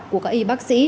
của các y bác sĩ